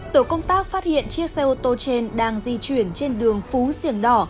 tổ công tác phát hiện chiếc xe ô tô trên đang di chuyển trên đường phú siêng đỏ